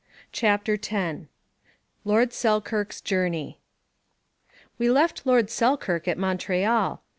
CHAPTER X LORD SELKIRK'S JOURNEY We left Lord Selkirk at Montreal.